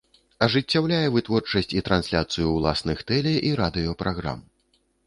Ажыццяўляе вытворчасць і трансляцыю ўласных тэле- і радыёпраграм.